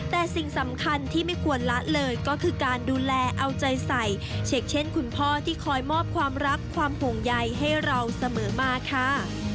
แต่สิ่งสำคัญที่ไม่ควรละเลยก็คือการดูแลเอาใจใส่เช็คเช่นคุณพ่อที่คอยมอบความรักความห่วงใยให้เราเสมอมาค่ะ